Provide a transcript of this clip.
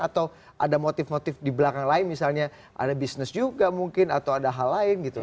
atau ada motif motif di belakang lain misalnya ada bisnis juga mungkin atau ada hal lain gitu